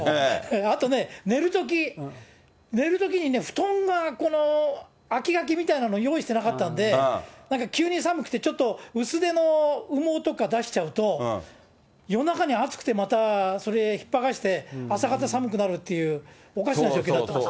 あとね、寝るとき、寝るときにね、布団が秋がけみたいなの用意してなかったんで、なんか急に寒くて、ちょっと薄手の羽毛とか、出しちゃうと、夜中に暑くて、またそれ、引っ剥がして、朝方、寒くなるっていう、おかしな状況になってます。